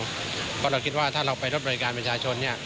เพราะเราคิดว่าถ้าเราไปรถบริการประชาชน